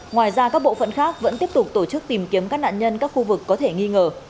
ngoài ra các bộ phận khác vẫn tiếp tục tổ chức tìm kiếm các nạn nhân các khu vực có thể nghi ngờ